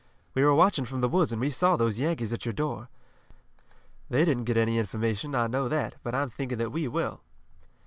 We were watching from the woods and we saw those Yankees at your door. They didn't get any information, I know that, but I'm thinking that we will."